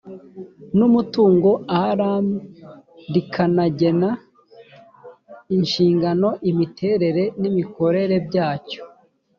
n umutungo rmi rikanagena inshingano imiterere n imikorere byacyo